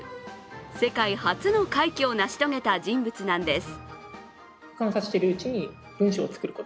世界初の快挙を成し遂げた人物なんです。